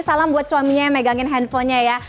salam buat suaminya yang megangin handphonenya ya